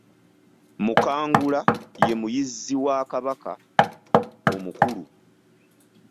Mukangula ye muyizzi wa Kabaka omukulu.